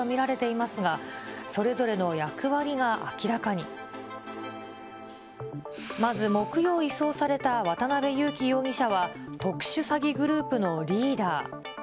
まず木曜移送された渡辺優樹容疑者は、特殊詐欺グループのリーダー。